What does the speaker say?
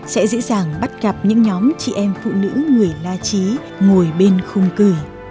sẽ dễ dàng bắt gặp những nhóm chị em phụ nữ người la trí ngồi bên khung cử